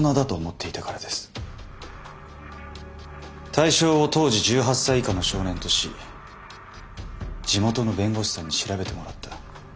対象を当時１８歳以下の少年とし地元の弁護士さんに調べてもらった。